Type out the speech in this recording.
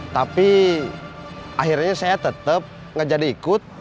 tapi akhirnya saya tetep gak jadi ikut